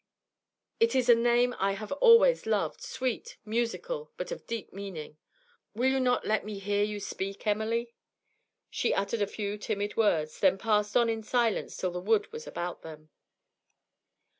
It is a name I have always loved, sweet, musical, but of deep meaning. Will you not let me hear you speak, Emily?' She uttered a few timid words, then they passed on in silence till the wood was all about them.